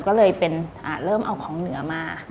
ก็เลยเป็นเริ่มเอาของเหนือมา